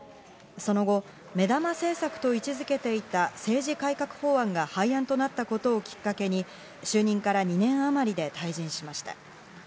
その後、目玉政策と位置付けていた政治改革法案が廃案となったことをきっかけに就任から２年あまりで退陣しました。